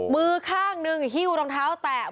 มือข้างหนึ่งหิ้วรองเท้าแตะ